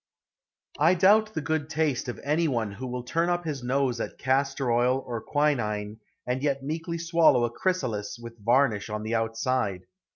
I doubt the good taste of any one who will turn up his nose at castor oil or quinine and yet meekly swallow a chrysalis with varnish on the outside.